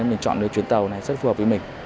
mình chọn được chuyến tàu này rất phù hợp với mình